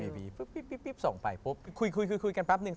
ปิ๊บหลังจากนั้นส่งไปคุยกันภาพนึง